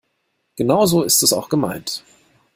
Genau so ist es auch gemeint.